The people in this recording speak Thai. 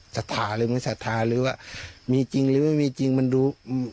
สถาหรือไม่สถาหรือว่ามีจริงหรือไม่มีจริงมันดู